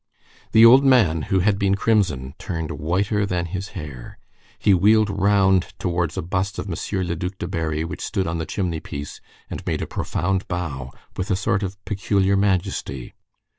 The old man, who had been crimson, turned whiter than his hair. He wheeled round towards a bust of M. le Duc de Berry, which stood on the chimney piece, and made a profound bow, with a sort of peculiar majesty.